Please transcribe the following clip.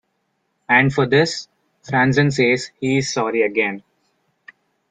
And for this, Franzen says he is sorry again.